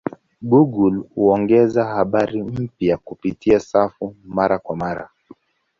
Google huongeza habari mpya kupitia safu mara kwa mara.